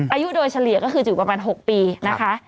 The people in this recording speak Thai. อายุโดยเฉลี่ยก็คือจะอยู่ประมาณ๖ปีนะคะ